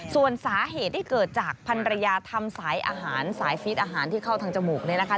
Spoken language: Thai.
ส่วนสาเหตุที่เกิดจากพันรยาทำสายอาหารสายฟีดอาหารที่เข้าทางจมูกเนี่ยนะคะ